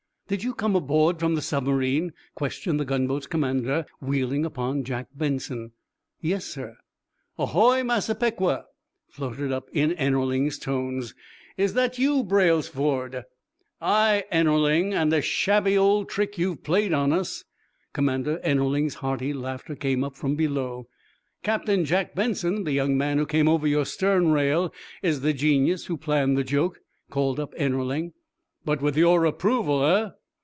"Did you come aboard from the submarine?" questioned the gunboat's commander, wheeling upon Jack Benson. "Yes, sir." "Ahoy, 'Massapequa,'" floated up in Ennerling's tones. "Is that you, Braylesford?" "Aye, Ennerling, and a shabby old trick you've played on us!" Commander Ennerling's hearty laughter came up from below. "Captain John Benson, the young man who came over your stern rail, is the genius who planned the joke," called up Ennerling. "But with your approval, eh?"